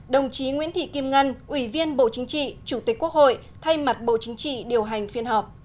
đồng chí nguyễn thị kim ngân ủy viên bộ chính trị chủ tịch quốc hội thay mặt bộ chính trị điều hành phiên họp